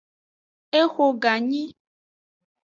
Exo ganyi.